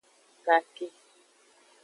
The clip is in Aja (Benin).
Gake.